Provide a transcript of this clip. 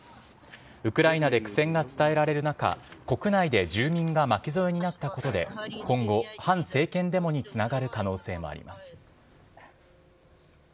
ウクライナで苦戦が伝えられる中、国内で住民が巻き添えになったことで、今後、反政権デモにつながる可能性もあります。